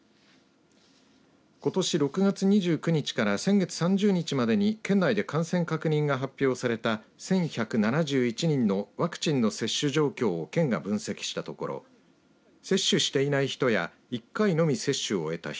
ことし６月２９日から先月３０日までに県内で感染確認が発表された１１７１人のワクチンの接種状況を県が分析したところ接種していない人や１回のみ接種を終えた人